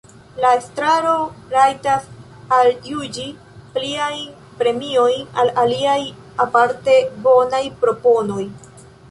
La Estraro rajtas aljuĝi pliajn premiojn al aliaj aparte bonaj proponoj.